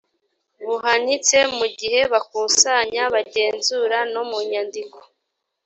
buhanitse mu gihe bakusanya bagenzura no mu nyandiko